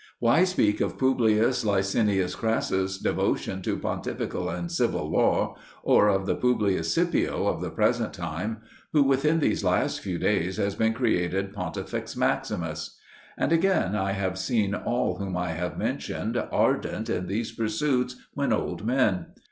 Why speak of Publius Licinius Crassus's devotion to pontifical and civil law, or of the Publius Scipio of the present time, who within these last few days has been created Pontifex Maximus? And yet I have seen all whom I have mentioned ardent in these pursuits when old men.